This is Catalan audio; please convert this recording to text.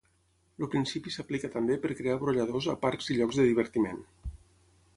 El principi s'aplica també per crear brolladors a parcs i llocs de divertiment.